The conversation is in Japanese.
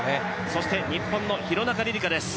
そして日本の廣中璃梨佳です。